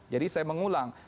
jadi saya mengulang